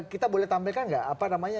kita boleh tampilkan nggak apa namanya